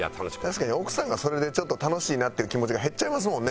確かに奥さんがそれで楽しいなっていう気持ちが減っちゃいますもんね。